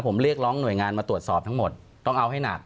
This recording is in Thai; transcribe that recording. ผมเรียกร้องหน่วยงานมาตรวจสอบทั้งหมดต้องเอาให้หนัก